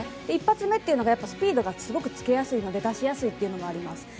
一発目というのはスピードがすごくつきやすいので出しやすいというのがあります。